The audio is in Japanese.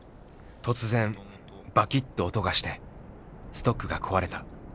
突然バキッと音がしてストックが壊れた。